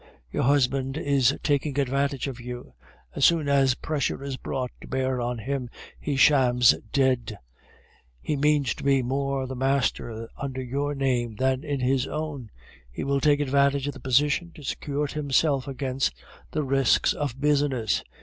Your husband is taking advantage of you. As soon as pressure is brought to bear on him he shams dead; he means to be more the master under your name than in his own. He will take advantage of the position to secure himself against the risks of business.